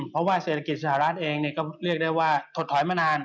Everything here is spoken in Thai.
เพราะว่าเศรษฐกิจสหรัฐเองก็เรียกได้ว่าถดถอยมานาน